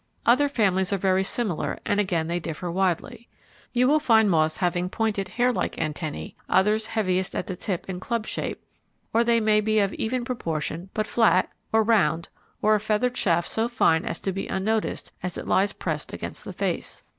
Other families are very similar and again they differ widely. You will find moths having pointed hair like antennae; others heaviest at the tip in club shape, or they may be of even proportion but flat, or round, or a feathered shaft so fine as to be unnoticed as it lies pressed against the face.